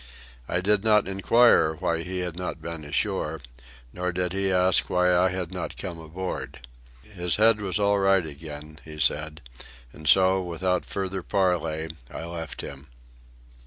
I did not inquire why he had not been ashore, nor did he ask why I had not come aboard. His head was all right again, he said, and so, without further parley, I left him.